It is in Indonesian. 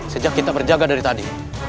sejak kita berjaga dari tadi